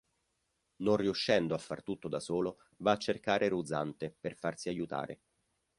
Non riuscendo a far tutto da solo, va a cercare Ruzante, per farsi aiutare.